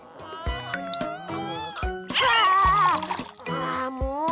ああもう！